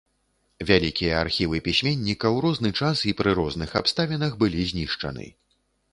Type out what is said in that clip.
Вялікія архівы пісьменніка ў розны час і пры розных абставінах былі знішчаны.